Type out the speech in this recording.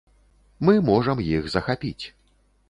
Мы можам іх захапіць.